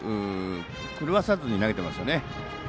狂わさずに投げてますよね。